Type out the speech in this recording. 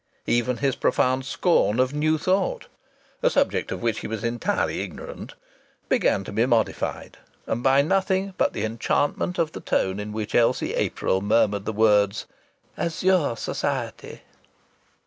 Even his profound scorn of New Thought (a subject of which he was entirely ignorant) began to be modified and by nothing but the enchantment of the tone in which Elsie April murmured the words, "Azure Society!"